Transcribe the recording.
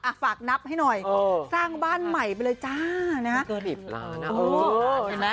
ฝากนับให้หน่อยสร้างบ้านใหม่ไปเลยจ้านะฮะ